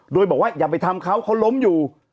โดยบอกว่าอย่าไปทำเขาเขาล้มอยู่